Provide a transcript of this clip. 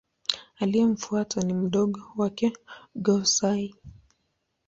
Aliyemfuata ni mdogo wake Go-Sai.